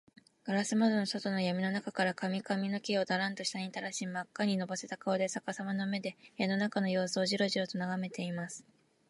ガラス窓の外のやみの中から、髪かみの毛をダランと下にたらし、まっかにのぼせた顔で、さかさまの目で、部屋の中のようすをジロジロとながめています。